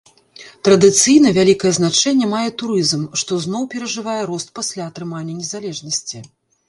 Традыцыйна вялікае значэнне мае турызм, што зноў перажывае рост пасля атрымання незалежнасці.